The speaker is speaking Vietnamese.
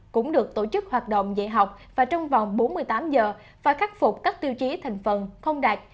cũng được tổ chức hoạt động dạy học và trong vòng bốn mươi tám giờ và khắc phục các tiêu chí thành phần không đạt